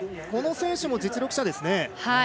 この選手も実力者ですね。